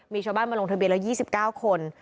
มีชาวบ้านมาลงทะเบียแล้ว๒๙คน